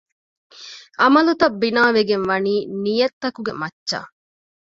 ޢަމަލުތައް ބިނާވެގެން ވަނީ ނިޔަތްތަކުގެ މައްޗަށް